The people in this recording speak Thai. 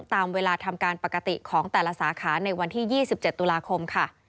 ตามเวลาทำการปกติของแต่ละสาขาในวันที่๒๗ตุลาคมค่ะ